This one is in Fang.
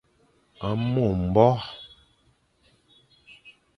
Mo mbore